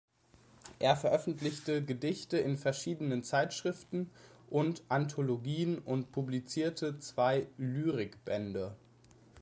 Er veröffentlichte Gedichte in verschiedenen Zeitschriften und Anthologien und publizierte zwei Lyrik-Bände.